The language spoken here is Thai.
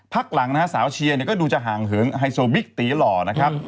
พักหลังนะฮะสาวเชียร์เนี่ยก็ดูจะห่างเหินไฮโซบิ๊กตีหล่อนะครับ